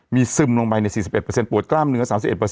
มีซึมลงไปใน๔๑ปวดกล้ามเนื้อ๓๑